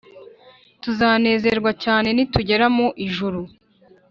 tuzanerwa cyane ni tugera mu ijuru